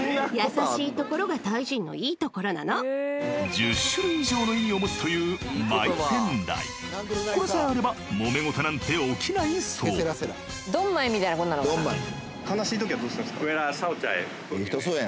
１０種類以上の意味を持つというマイペンライこれさえあればモメゴトなんて起きないそうドンマイ。